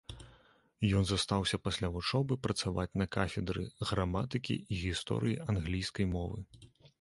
Ён застаўся пасля вучобы працаваць на кафедры граматыкі і гісторыі англійскай мовы.